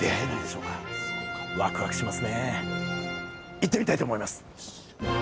行ってみたいと思います。